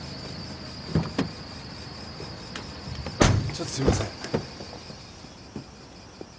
ちょっとすいません。